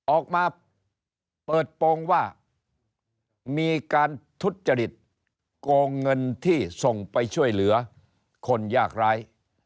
ออกมาเปิดโปรงว่ามีการทุจจริตโกงเงินที่ส่งไปช่วยเหลือคนยากร้าย